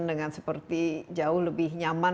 dengan seperti jauh lebih nyaman